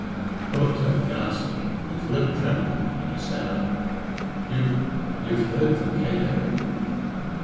Philip turned ghastly, his lip trembled, and he stammered, "You've you've heard from Kate, have you?"